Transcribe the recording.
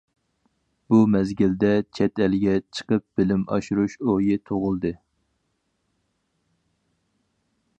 بۇ مەزگىلدە، چەت ئەلگە چىقىپ بىلىم ئاشۇرۇش ئويى تۇغۇلدى.